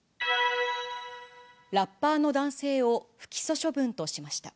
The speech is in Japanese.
ラッパーの男性を不起訴処分としました。